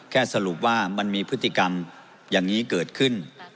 สรุปว่ามันมีพฤติกรรมอย่างนี้เกิดขึ้น